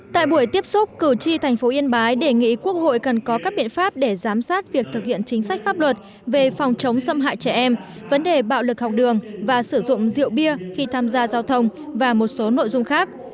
tại buổi tiếp xúc cử tri thành phố yên bái đề nghị quốc hội cần có các biện pháp để giám sát việc thực hiện chính sách pháp luật về phòng chống xâm hại trẻ em vấn đề bạo lực học đường và sử dụng rượu bia khi tham gia giao thông và một số nội dung khác